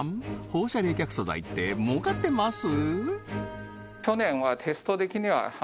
放射冷却素材って儲かってます？